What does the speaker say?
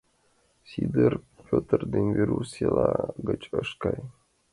Сидыр Петр ден Веруш села гыч ышт кай.